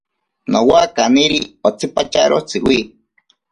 Nowa kaniri otsipatyaro tsiwi.